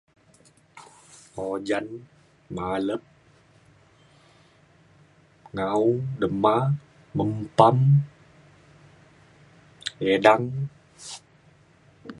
ujan malet nga’u dema mentam edang